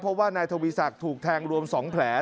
เพราะว่านายทวีศักดิ์ถูกแทงรวม๒แผล